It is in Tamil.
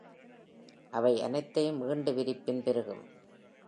அவை அனைத்தையும் ஈண்டு விரிப்பின் பெருகும்.